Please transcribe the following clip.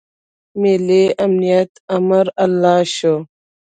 ملي امنیت د امرالله شو.